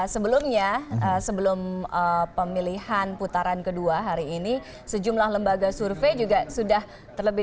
sebelumnya sebelum pemilihan putaran kedua hari ini sejumlah lembaga survei juga sudah terlebih